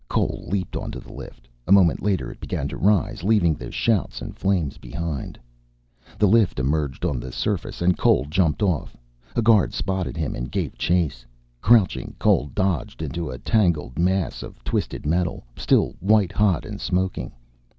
Cole leaped onto the lift. A moment later it began to rise, leaving the shouts and the flames behind. The lift emerged on the surface and Cole jumped off. A guard spotted him and gave chase. Crouching, Cole dodged into a tangled mass of twisted metal, still white hot and smoking.